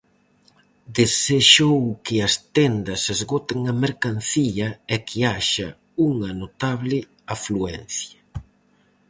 Desexou que as tendas "esgoten a mercancía" e que haxa unha notable afluencia.